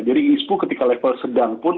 jadi ispu ketika level sedang pun